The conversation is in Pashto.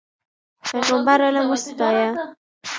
پیغمبر علم وستایه.